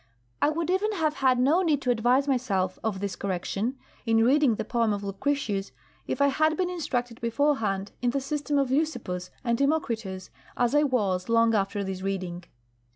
I would even have had no need to advise myself of this correction, in reading the poem of Lucretius, if I had been instructed beforehand in the system of Leucippus and Democritus as I was long after this reading.